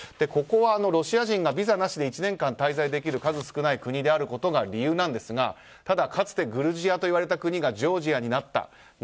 ここはロシア人がビザなしで１年間滞在できる数少ない国であることが理由なんですがただかつてグルジアといわれた国がジョージアになった。